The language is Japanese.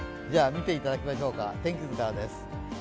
見ていただきましょうか、天気からです。